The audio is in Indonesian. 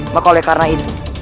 maka oleh karena itu